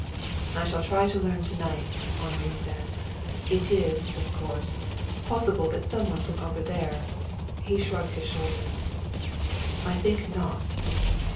"I shall try to learn to night," Henri said. "It is, of course, possible that some one from over there " He shrugged his shoulders. "I think not."